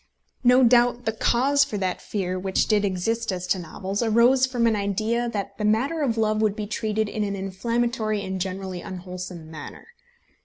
No doubt the cause for that fear which did exist as to novels arose from an idea that the matter of love would be treated in an inflammatory and generally unwholesome manner.